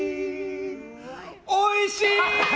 おいしい！